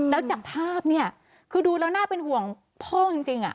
แล้วจากภาพเนี่ยคือดูแล้วน่าเป็นห่วงพ่อจริง